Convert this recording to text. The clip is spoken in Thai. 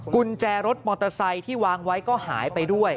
กุญแจรถมอเตอร์ไซค์ที่วางไว้ก็หายไปด้วย